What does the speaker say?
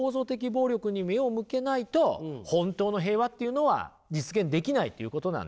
暴力に目を向けないと本当の平和っていうのは実現できないということなんですよ。